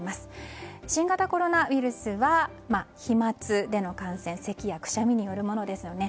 新型コロナウイルスは飛沫での感染せきやくしゃみによるものですよね。